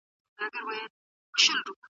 نوی سياسي سيستم به تر زوړ سيستم ښه پايله ولري.